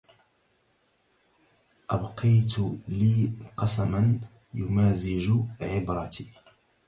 أبقيت لي سقما يمازج عبرتي